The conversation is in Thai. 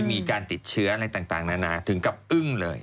มีการติดเชื้ออะไรต่างนานาถึงกับอึ้งเลย